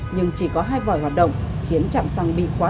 nhưng chỉ có hai vòi hoạt động khiến chạm xăng bị quá